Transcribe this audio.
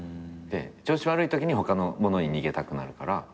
調子悪いときに他のものに逃げたくなるから。